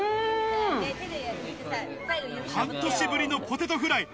半年ぶりのポテトフライ。